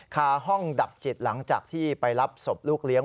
คาห้องดับจิตหลังจากที่ไปรับศพลูกเลี้ยง